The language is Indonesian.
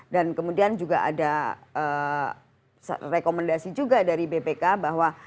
dan kemudian juga ada rekomendasi juga dari bpk bahwa